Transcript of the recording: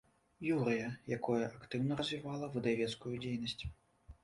Юрыя, якое актыўна развівала выдавецкую дзейнасць.